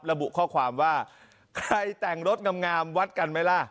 ระบุข้อความว่าใครแต่งรถงามวัดกันไหมล่ะ